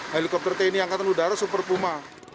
helikopter tni angkatan udara super puma